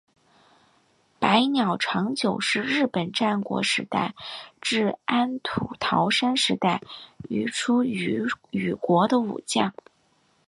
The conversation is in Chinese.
白鸟长久是日本战国时代至安土桃山时代于出羽国的武将。